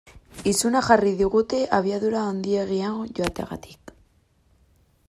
Izuna jarri digute abiadura handiegian joateagatik.